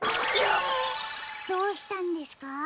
どうしたんですか？